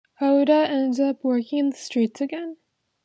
Adua ends up working in the streets again.